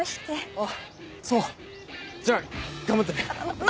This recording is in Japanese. あっそうじゃあ頑張ってね。